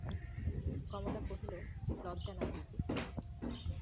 কমলা কহিল, লজ্জা নয় দিদি!